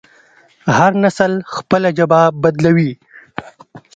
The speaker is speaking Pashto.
هر نسل خپله ژبه بدلوي.